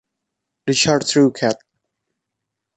The Chartreux Cat.